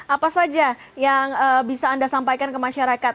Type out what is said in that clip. apa saja yang bisa anda sampaikan ke masyarakat